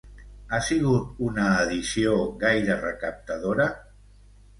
Ha sigut una edició gaire recaptadora?